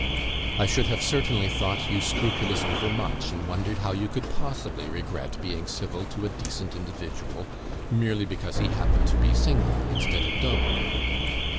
I should have certainly thought you scrupulous over much, and wondered how you could possibly regret being civil to a decent individual, merely because he happened to be single, instead of double.